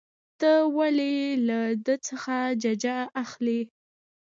ته ولې له ده څخه ججه اخلې.